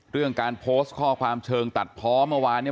เรื่องการโพสต์ข้อความเชิงตัดเพาะเมื่อวานเนี่ย